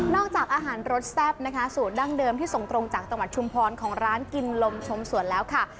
จากอาหารรสแซ่บนะคะสูตรดั้งเดิมที่ส่งตรงจากจังหวัดชุมพรของร้านกินลมชมสวนแล้วค่ะ